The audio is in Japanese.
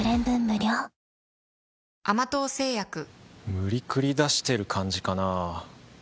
無理くり出してる感じかなぁ